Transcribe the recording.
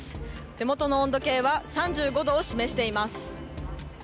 手元の温度計は３５度を示しています。